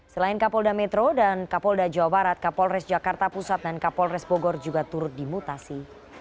selain kapolda metro dan kapolda jawa barat kapolres jakarta pusat dan kapolres bogor juga turut dimutasi